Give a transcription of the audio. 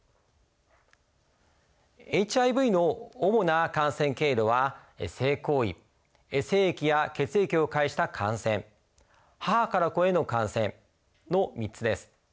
ＨＩＶの主な感染経路は性行為精液や血液を介した感染母から子への感染の３つです。